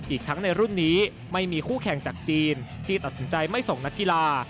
อีกทั้งในรุ่นนี้ไม่มีคู่แข่งจากจีนที่ตัดสินใจไม่ส่งนักกีฬา